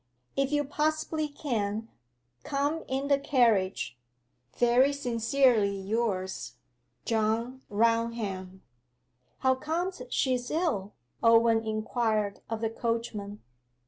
If you possibly can, come in the carriage. Very sincerely yours, JOHN RAUNHAM.' 'How comes she ill?' Owen inquired of the coachman.